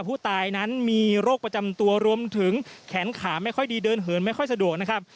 ผู้ตายนั้นมีโรคประจำตัวรวมถึงแขนขาไม่ค่อยดีเดินเหินไม่ค่อยสะดวกนะครับ